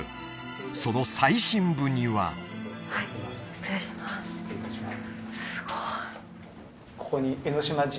その最深部には失礼します